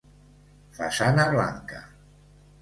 Façana blanca.